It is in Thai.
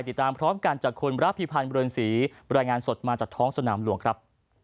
ติดตามพร้อมกันจากคนราภิพันธ์บริเวณสีบริงารสดมาจากท้องสนามหลวงครับ